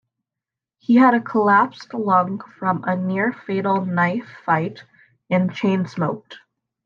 He had a collapsed lung from a near-fatal knife fight, and chain-smoked.